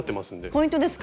ポイントですか。